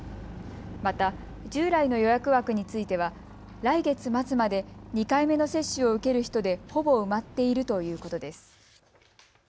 また従来の予約枠については来月末まで２回目の接種を受ける人でほぼ埋まっているということです。